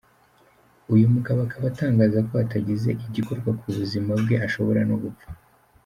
Uyu mugabo akaba atangaza ko hatagize igikorwa ku buzima bwe ashobora no gupfa.